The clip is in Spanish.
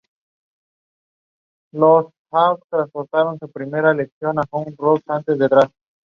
Fruto de este matrimonio nacieron dos hijos, ambos toreros llamados Francisco y Cayetano.